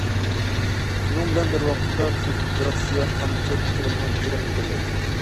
شۇنىڭ بىلەن بىر ۋاقىتتا فېدېراتسىيە خامچوت كىرىمىنىڭ يېرىمىنى ئىگىلەيدۇ.